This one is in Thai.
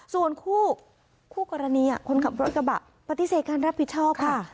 ส่วนคู่กรณีคนขับรถกระบะปฏิเสธการรับผิดชอบค่ะ